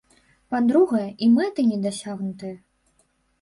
Па-другое, і мэты не дасягнутыя!